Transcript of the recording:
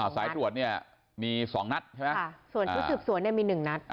สายตรวจเนี่ยมี๒นัดส่วนทุกสุดเนี่ยมี๑นัด